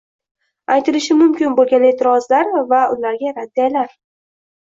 Aytilishi mumkin bo‘lgan e’tirozlar va ularga raddiyalar: